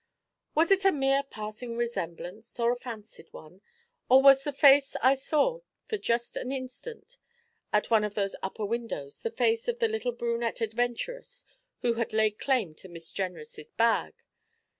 Was it a mere passing resemblance, or a fancied one, or was the face I saw for just an instant at one of those upper windows the face of the little brunette adventuress who had laid claim to Miss Jenrys' bag?